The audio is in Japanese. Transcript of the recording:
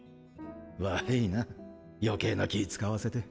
悪ぃな余計な気ぃ遣わせて。